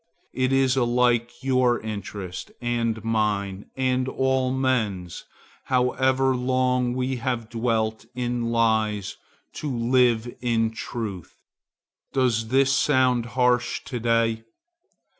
It is alike your interest, and mine, and all men's, however long we have dwelt in lies, to live in truth. Does this sound harsh to day?